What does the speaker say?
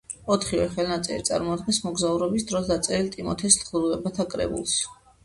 ოთხივე ხელნაწერი წარმოადგენს მოგზაურობის დროს დაწერილ ტიმოთეს თხზულებათა კრებულს.